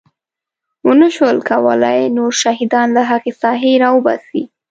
ونه شول کولی نور شهیدان له هغې ساحې راوباسي.